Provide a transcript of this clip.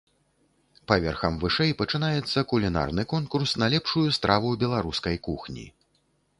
Паверхам вышэй пачынаецца кулінарны конкурс на лепшую страву беларускай кухні.